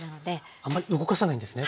あんまり動かさないんですね。